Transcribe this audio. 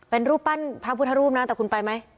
เป็นรูปปั้นพระพุทธรูปนะแต่คุณไปไหม